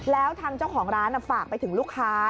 แล้วทางเจ้าของร้านฝากไปถึงลูกค้า